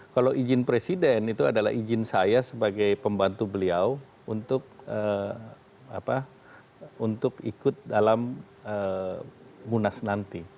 kalau izin presiden itu adalah izin saya sebagai pembantu beliau untuk ikut dalam munas nanti